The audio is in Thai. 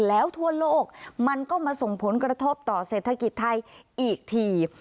แล้วทั่วโลกมันก็มาส่งผลกระทบต่อเศรษฐกิจไทยอีกที